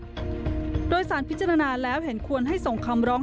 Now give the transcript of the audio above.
โดยสารพิจารณาแล้วเห็นควรให้ส่งคำร้อง